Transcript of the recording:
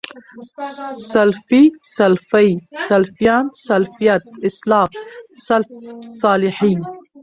سلفي، سلفۍ، سلفيان، سلفيَت، اسلاف، سلف صالحين